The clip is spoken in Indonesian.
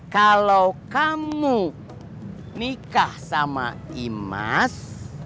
kalau kamu nikah sama imas